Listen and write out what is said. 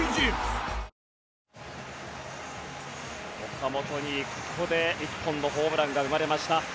岡本に日本のホームランが生まれました。